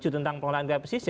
tentang pengolahan kepsi